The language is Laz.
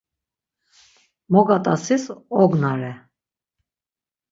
Mogat̆asis ognare.